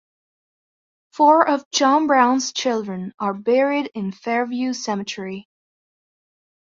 Four of John Brown's children are buried in Fairview Cemetery.